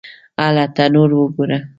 _هله! تنور وګوره!